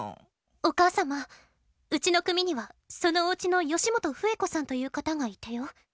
「お母さまうちの組にはそのお家の吉本笛子さんという方がいてよ」。